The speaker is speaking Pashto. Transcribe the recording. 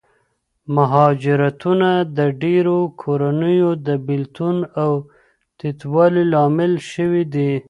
مهاجرتونه د ډېرو کورنیو د بېلتون او تیتوالي لامل شوي دي.